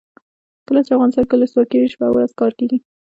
کله چې افغانستان کې ولسواکي وي شپه او ورځ کار کیږي.